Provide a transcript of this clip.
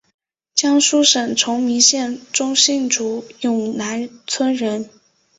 江苏省崇明县中兴镇永南村人。